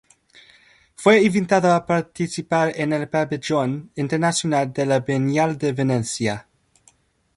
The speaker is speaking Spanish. Fue invitado a participar en el pabellón internacional de la Bienal de Venecia.